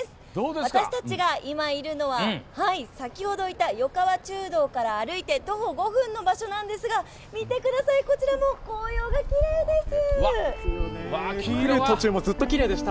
私たちが今いるのは先ほどいた横川中堂から歩いて徒歩５分の場所なんですが見てください、こちらも紅葉がきれいです！